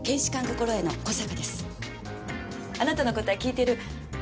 あなたの事は聞いてる。